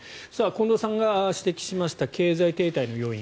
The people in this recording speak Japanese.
近藤さんが指摘しました経済停滞の要因